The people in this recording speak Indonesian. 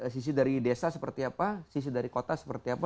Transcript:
sisi dari desa seperti apa sisi dari kota seperti apa